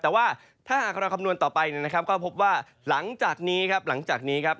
แต่ว่าถ้าหากเราคำนวณต่อไปนะครับก็พบว่าหลังจากนี้ครับหลังจากนี้ครับ